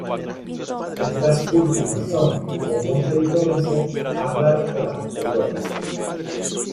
Estas últimas son, con mucha diferencia, más raras que las anteriores.